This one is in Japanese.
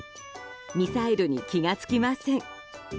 ミサイルに気が付きません。